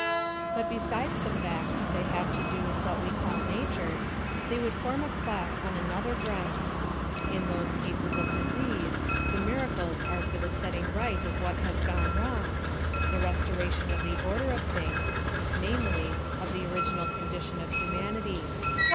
But besides the fact that they have to do with what we call nature, they would form a class on another ground. In those cases of disease, the miracles are for the setting right of what has gone wrong, the restoration of the order of things, namely, of the original condition of humanity.